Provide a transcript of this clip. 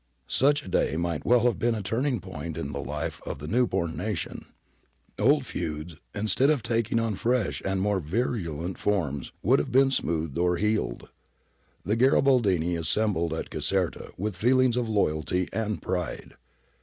Such a day might well have been a turning point in the life of the new born nation. Old feuds, instead of taking on fresh and more virulent forms, would have been soothed or healed. The Garibaldini assembled at Caserta with feelings of loyalty and pride.